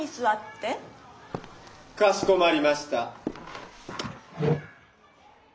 かしこまりました。